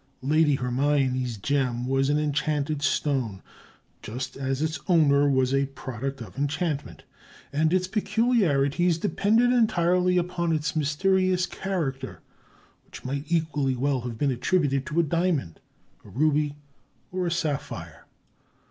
Lady Hermione's gem was an enchanted stone just as its owner was a product of enchantment, and its peculiarities depended entirely upon its mysterious character, which might equally well have been attributed to a diamond, a ruby, or a sapphire.